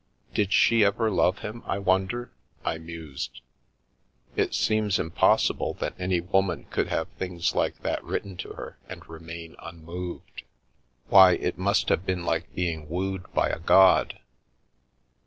"Did she ever love him, I wonder?" I mused. "It seems impossible that any woman could have things like that written to her and remain unmoved. Why, it must have been like being wooed by a god."